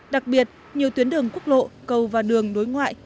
đặc biệt nhiều tuyến đường quốc lộ cầu và đường đối ngoại